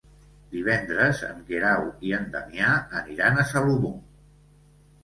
Divendres en Guerau i en Damià aniran a Salomó.